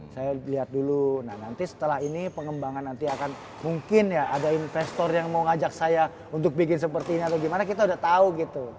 saya lihat dulu nah nanti setelah ini pengembangan nanti akan mungkin ya ada investor yang mau ngajak saya untuk bikin sepertinya atau gimana kita udah tau gitu